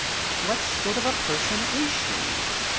What sort of a person is she?